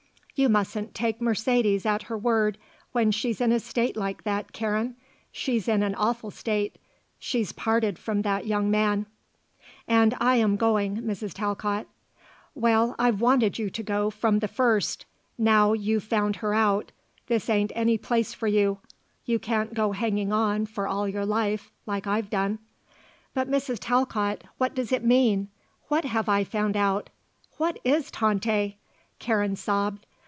"You mustn't take Mercedes at her word when she's in a state like that, Karen. She's in an awful state. She's parted from that young man." "And I am going, Mrs. Talcott." "Well, I've wanted you to go, from the first. Now you've found her out, this ain't any place for you. You can't go hanging on for all your life, like I've done." "But Mrs. Talcott what does it mean? What have I found out? What is Tante?" Karen sobbed.